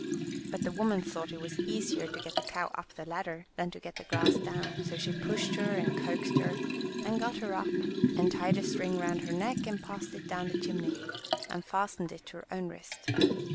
But the woman thought it was easier to get the cow up the ladder than to get the grass down, so she pushed her and coaxed her and got her up, and tied a string round her neck, and passed it down the chimney, and fastened it to her own wrist.